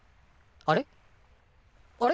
あれ？